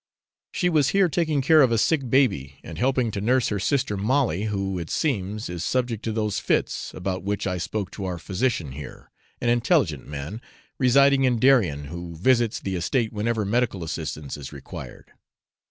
She was here taking care of a sick baby, and helping to nurse her sister Molly, who, it seems, is subject to those fits, about which I spoke to our physician here an intelligent man, residing in Darien, who visits the estate whenever medical assistance is required.